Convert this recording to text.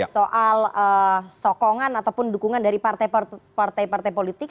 soal sokongan ataupun dukungan dari partai partai politik